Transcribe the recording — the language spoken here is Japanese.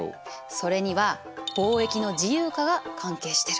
それには貿易の自由化が関係してる。